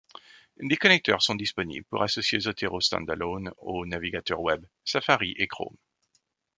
Des connecteurs sont disponibles pour associer Zotero Standalone aux navigateurs Web Safari et Chrome.